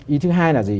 ý thứ hai là gì